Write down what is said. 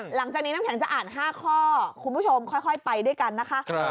หลังจากนี้น้ำแข็งจะอ่าน๕ข้อคุณผู้ชมค่อยไปด้วยกันนะคะ